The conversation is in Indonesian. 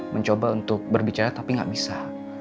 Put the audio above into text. mencoba untuk berbicara tapi nggak bisa